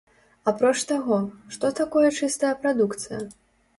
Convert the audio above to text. Апроч таго, што такое чыстая прадукцыя?